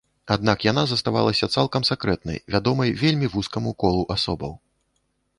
Аднак яна заставалася цалкам сакрэтнай, вядомай вельмі вузкаму колу асобаў.